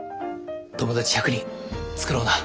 友達１００人作ろうな。